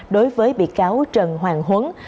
đối với bị cáo trần hoàng huấn